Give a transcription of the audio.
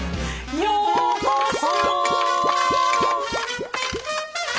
「ようこそ」